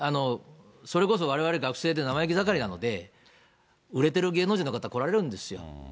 それこそ、われわれ学生で生意気盛りなので、売れてる芸能人の方来られるんですよ。